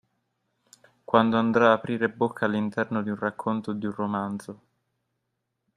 Quando andrà ad aprire bocca all’interno di un racconto o di un romanzo